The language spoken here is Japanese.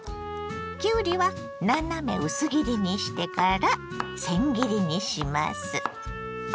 きゅうりは斜め薄切りにしてからせん切りにします。